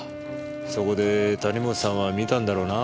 そこで谷本さんは見たんだろうな。